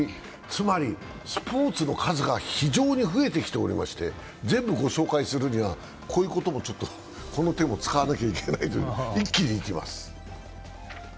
つまりスポーツの数が非常に増えてきておりまして、全部ご紹介するには、この手も使わないといけないと、一気にいきます。